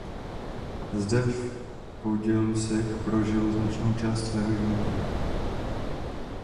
Zde v Podělusech prožil značnou část svého života.